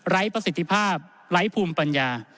ประสิทธิภาพไร้ภูมิปัญญา